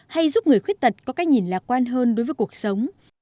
hay giúp người khuyết tật có cách nhìn lạc quan hơn đối với cuộc sống